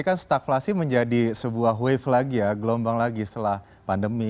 ini kan staflasi menjadi sebuah wave lagi ya gelombang lagi setelah pandemi